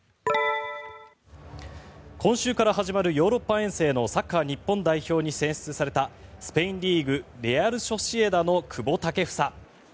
今週から始まるヨーロッパ遠征のサッカー日本代表に選出されたスペインリーグレアル・ソシエダの久保建英。